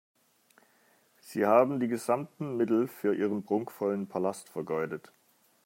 Sie haben die gesamten Mittel für Ihren prunkvollen Palast vergeudet.